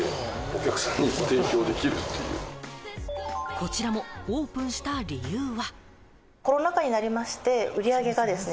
こちらもオープンした理由は。